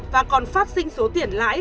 và còn phát sinh số tiền lãi